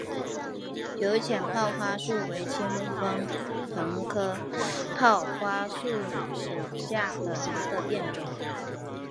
有腺泡花树为清风藤科泡花树属下的一个变种。